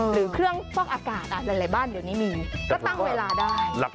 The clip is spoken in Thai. หรือเครื่องฟอกอากาศหลายบ้านเดี๋ยวนี้มีก็ตั้งเวลาได้